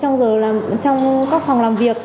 trong các phòng làm việc